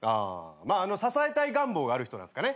あ支えたい願望がある人なんすかね？